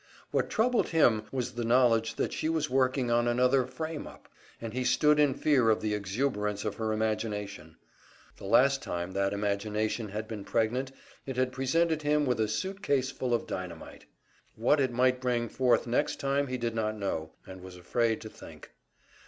What troubled him was the knowledge that she was working on another "frame up," and he stood in fear of the exuberance of her imagination. The last time that imagination had been pregnant, it had presented him with a suit case full of dynamite. What it might bring forth next time he did not know, and was afraid to think.